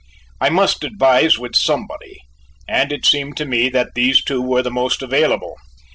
I must advise with somebody, and it seemed to me that these two were the most available.